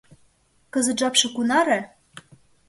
— Кызыт жапше кунаре?